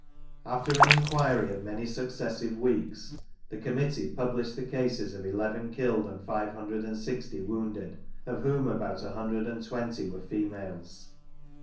After an enquiry of many successive weeks the committeie published the pases of eleven killed and five hundred and sixty wounded, of whom about a hundred and twenty were females.